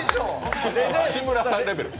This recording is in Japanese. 志村さんレベル。